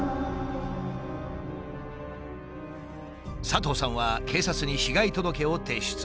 佐藤さんは警察に被害届を提出。